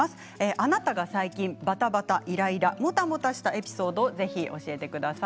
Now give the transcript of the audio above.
あなたが最近バタバタ、イライラモタモタしたエピソードを教えてください。